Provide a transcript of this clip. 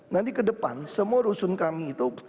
nanti ke depan semua rusun kami itu